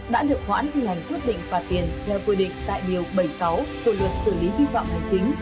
đã được hoãn thi hành quyết định phạt tiền theo quy định tại điều bảy mươi sáu của luật xử lý vi phạm hành chính